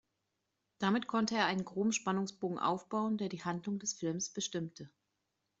Damit konnte er einen groben Spannungsbogen aufbauen, der die Handlung des Filmes bestimmte.